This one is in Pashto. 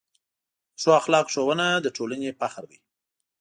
د ښو اخلاقو ښوونه د ټولنې فخر دی.